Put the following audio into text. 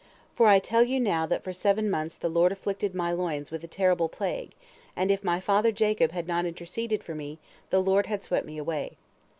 For I tell you now that for seven months the Lord afflicted my loins with a terrible plague, and if my father Jacob had not interceded for me, the Lord had swept me away.